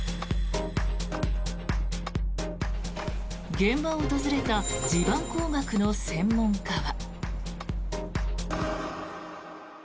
現場を訪れた地盤工学の専門家は。